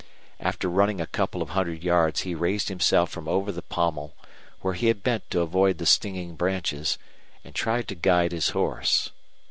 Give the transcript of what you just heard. After running a couple of hundred yards he raised himself from over the pommel, where he had bent to avoid the stinging branches, and tried to guide his horse.